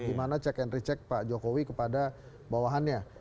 dimana cek henry cek pak jokowi kepada bawahannya